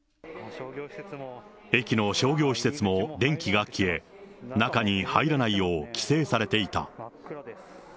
駅の商業施設も電気が消え、中に入らないよう規制されていた。